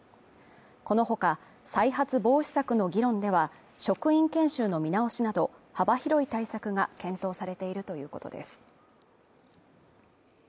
この他、再発防止策の議論では、職員研修の見直しなど、幅広い対策が検討されているということです。